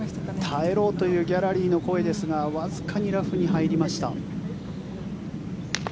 耐えろというギャラリーの声ですがわずかにラフに入りました。